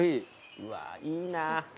うわいいな。